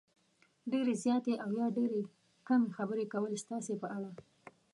ډېرې زیاتې او یا ډېرې کمې خبرې کول ستاسې په اړه